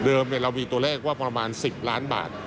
เริ่มเรามีตัวแรกว่าประมาณ๑๐ล้านบาท